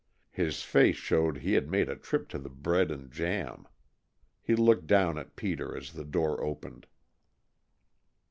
His face showed he had made a trip to the bread and jam. He looked down at Peter as the door opened.